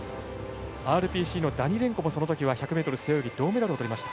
ＲＰＣのダニレンコもそのときは１００ｍ背泳ぎで銅メダルを取りました。